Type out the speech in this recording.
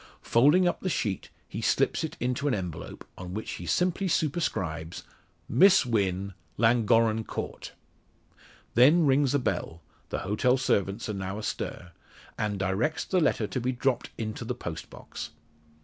Folding up the sheet, he slips it into an envelope, on which he simply superscribes Miss Wynn, Llangorren Court. Then rings a bell the hotel servants are now astir and directs the letter to be dropped into the post box.